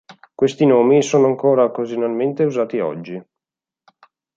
Questi nomi sono ancora occasionalmente usati oggi.